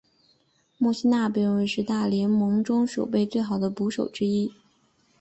莫里纳被认为是大联盟中守备最好的捕手之一。